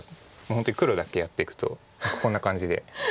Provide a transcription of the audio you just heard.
本当に黒だけやっていくとこんな感じで。